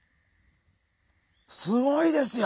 すごいですよ！